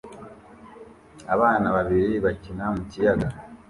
Abana babiri bakina mu kiyaga